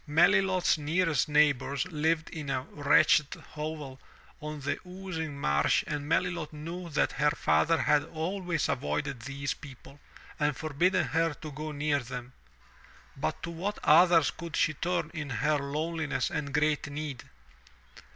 Melilot's nearest neighbors lived in a wretched hovel on the oozing marsh and Melilot knew that her father had always avoided these people, and forbidden her to go near them. But to what others could she turn in her loneliness and great need?